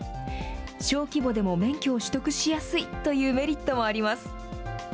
小規模でも免許を取得しやすいというメリットもあります。